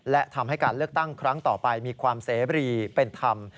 และทำให้การเลือกตั้งครั้งต่อไปมีความเสบรีเป็นธรรม